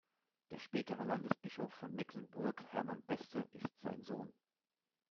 Der spätere Landesbischof von Mecklenburg Hermann Beste ist sein Sohn.